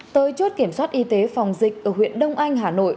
tới chốt kiểm soát y tế phòng dịch ở huyện đông anh hà nội